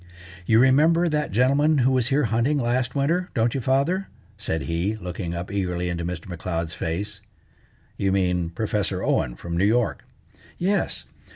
"You remember that gentleman who was here hunting last winter, don't you, father?" said he, looking up eagerly into Mr. M'Leod's face. "You mean Professor Owen from New York." "Yes.